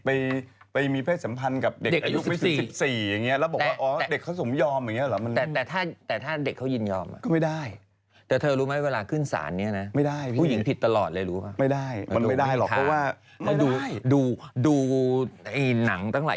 ไปมีเพศสัมพันธ์กับเด็กอายุไม่สิบอย่างนี้